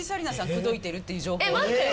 口説いてるっていう情報が待って！